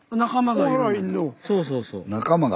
そうそうそう。